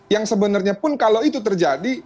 yang sebenarnya pun kalau itu terjadi